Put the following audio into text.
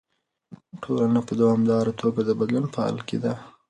ټولنه په دوامداره توګه د بدلون په حال کې ده.